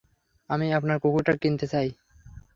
আমি আপনার কুকুরটা কিনতে চাই।